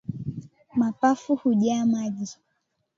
Mapafu hujaa maji